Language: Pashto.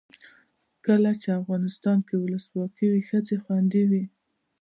کله چې افغانستان کې ولسواکي وي ښځې خوندي وي.